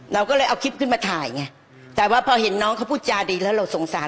เราก็เลยเอาคลิปขึ้นมาถ่ายไงแต่ว่าพอเห็นน้องเขาพูดจาดีแล้วเราสงสาร